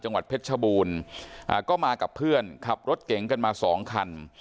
จังหวัดเพชรบูรณ์อ่าก็มากับเพื่อนขับรถเก่งกันมาสองคัน